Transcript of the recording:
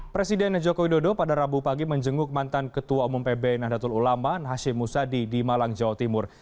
presiden jokowi dodo pada rabu pagi menjenguk mantan ketua umum pb nahdlatul ulama hashim musadi di malang jawa timur